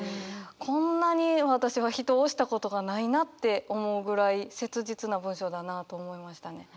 こんなに私は人を推したことがないなって思うぐらい切実な文章だなと思いましたね。